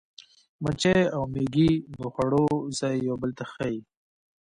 مچۍ او مېږي د خوړو ځای یو بل ته ښيي.